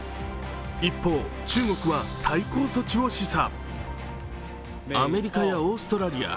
一方、中国は対抗措置を示唆。